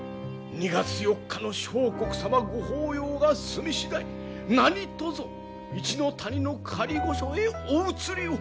２月４日の相国様ご法要が済み次第何とぞ一ノ谷の仮御所へお移りを。